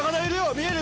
見える？